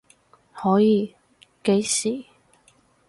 可以，幾時？